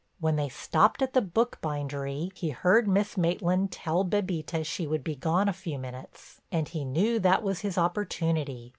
When they stopped at the book bindery he heard Miss Maitland tell Bébita she would be gone a few minutes and knew that was his opportunity.